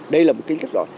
đây là một kinh tức rõ